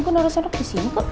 kau naro sendok disini kok